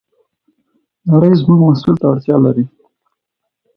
نړۍ زموږ محصول ته اړتیا لري.